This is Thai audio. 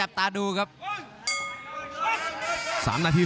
รับทราบบรรดาศักดิ์